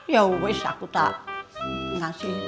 ya wish aku tak ngasih